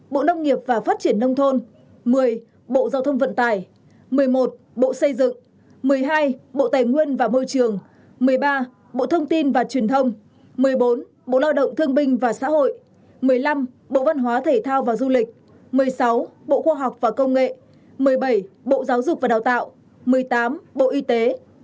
chín bộ nông nghiệp và phát triển nông thôn một mươi bộ giao thông vận tải một mươi một bộ xây dựng một mươi hai bộ tài nguyên và môi trường một mươi ba bộ thông tin và truyền thông một mươi bốn bộ lao động thương binh và xã hội một mươi năm bộ văn hóa thể thao và du lịch một mươi sáu bộ khoa học và công nghệ một mươi bảy bộ giáo dục và đào tạo một mươi tám bộ y tế